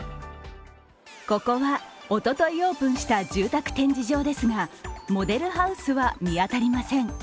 ここはおとといオープンした住宅展示場ですがモデルハウスは見当たりません。